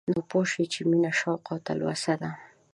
نو پوه شوم چې مينه شوق او تلوسه ده